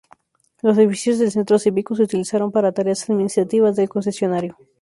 Los edificios del Centro Cívico se utilizaron para tareas administrativas del concesionario.